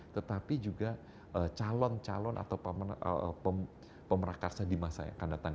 tetapi juga calon calon atau pemerakarsa di masa yang akan datang